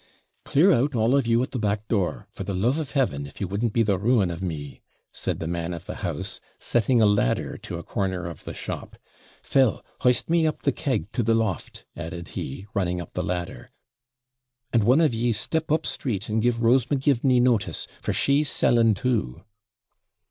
'Clear out all of you at the back door, for the love of heaven, if you wouldn't be the ruin of me,' said the man of the house, setting a ladder to a corner of the shop. 'Phil, hoist me up the keg to the loft,' added he, running up the ladder; 'and one of YEES step up street, and give Rose M'Givney notice, for she's selling too.'